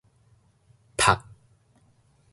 朴